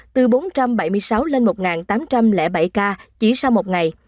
từ bốn trăm bảy mươi sáu lên một tám trăm linh bảy ca chỉ sau một ngày